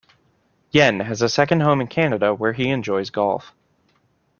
Yuen has a second home in Canada where he enjoys golf.